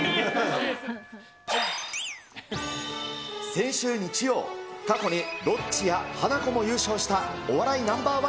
先週日曜、過去にロッチやハナコも優勝したお笑いＮｏ．１